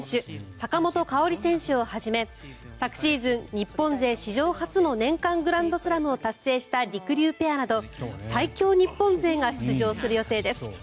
坂本花織選手をはじめ昨シーズン、日本勢史上初の年間グランドスラムを達成したりくりゅうペアなど最強日本勢が出場する予定です。